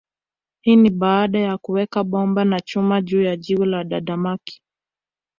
Hii ni baada ya kuweka bomba na chuma juu ya jiwe la Damankia